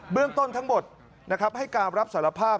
เรื่องต้นทั้งหมดให้การรับสารภาพ